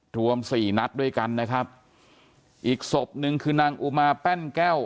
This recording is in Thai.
รวมสี่นัดด้วยกันนะครับอีกศพหนึ่งคือนางอุมาแป้นแก้ว